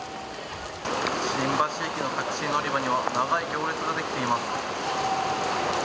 新橋駅のタクシー乗り場には長い行列ができています。